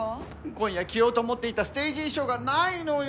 今夜着ようと思っていたステージ衣装がないのよ！